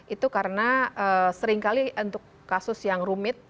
itu karena sering kali untuk kasus yang rumit